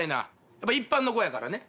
やっぱり一般の子やからね。